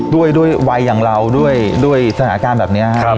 ด้วยด้วยวัยอย่างเราด้วยด้วยสถานการณ์แบบเนี้ยครับ